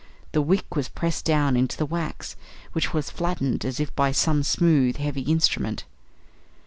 The wick was pressed down into the wax, which was flattened as if by some smooth, heavy instrument.